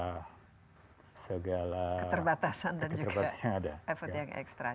keterbatasan dan juga effort yang ekstra